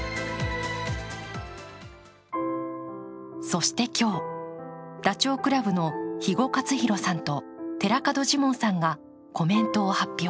そして今日、ダチョウ倶楽部の肥後克広さんと寺門ジモンさんがコメントを発表。